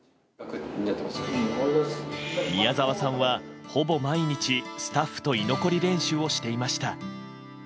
宮沢さんは、ほぼ毎日スタッフと居残り練習をしていました。